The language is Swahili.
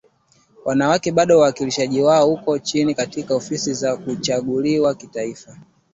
wanawake bado uwakilishi wao uko chini katika ofisi za kuchaguliwa kitaifa